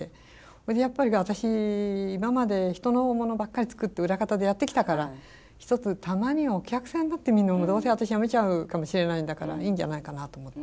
それでやっぱり私今まで人のものばっかり作って裏方でやってきたからひとつたまにはお客さんになってみるのもどうせ私やめちゃうかもしれないんだからいいんじゃないかなと思って。